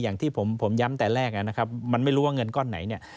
อย่างที่ผมย้ำแต่แรกนะครับมันไม่รู้ว่าเงินก้อนไหนเนี่ย